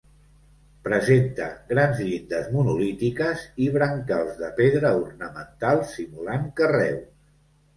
Presenta grans llindes monolítiques i brancals de pedra ornamentals simulant carreus.